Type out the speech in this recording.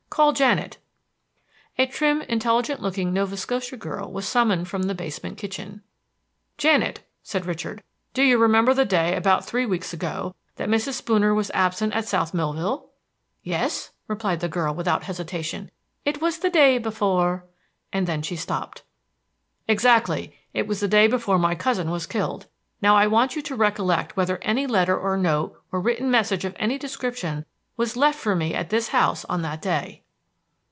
"Call Janet." A trim, intelligent looking Nova Scotia girl was summoned from the basement kitchen. "Janet," said Richard, "do you remember the day, about three weeks ago, that Mrs. Spooner was absent at South Millville?" "Yes," replied the girl, without hesitation. "It was the day before" and then she stopped. "Exactly; it was the day before my cousin was killed. Now I want you to recollect whether any letter or note or written message of any description was left for me at this house on that day."